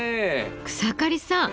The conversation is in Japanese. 草刈さん